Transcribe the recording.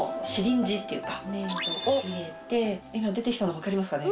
粘土を入れて今出てきたの分かりますかね？